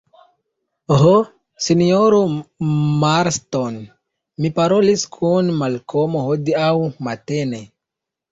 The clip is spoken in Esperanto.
Ho, sinjoro Marston, mi parolis kun Malkomo hodiaŭ matene.